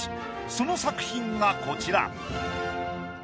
その作品がこちら。